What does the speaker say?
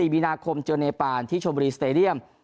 มีนาคมเจอเนปานที่ชมบุรีสเตดียม